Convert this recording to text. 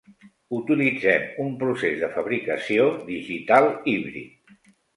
Utilitzem un procès de fabricació digital híbrid.